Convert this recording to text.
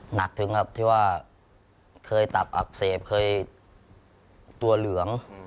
หนักถึงครับที่ว่าเคยตับอักเสบเคยตัวเหลือง